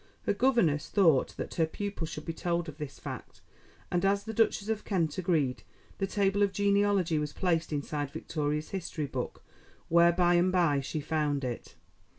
Her governess thought that her pupil should be told of this fact, and as the Duchess of Kent agreed, the table of genealogy was placed inside Victoria's history book, where by and by she found it.